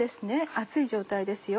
熱い状態ですよ